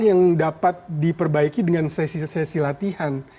yang dapat diperbaiki dengan sesi sesi latihan